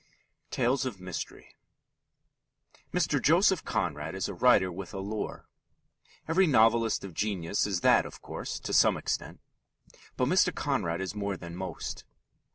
TALES OF MYSTERY Mr. Joseph Conrad is a writer with a lure. Every novelist of genius is that, of course, to some extent. But Mr. Conrad is more than most.